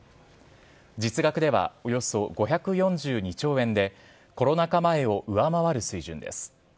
実額ではおよそ５４２兆円で、コロナ禍前を上回る水準です。